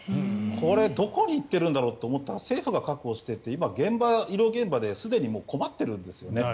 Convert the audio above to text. これ、どこに行ってるんだろうと思ったら政府が確保していて今、医療現場ですでに困ってるんですよね。